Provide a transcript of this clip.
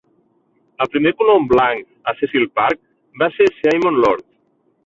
El primer colon blanc a Cecil Park va ser Simeon Lord.